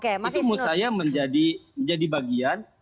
itu menurut saya menjadi bagian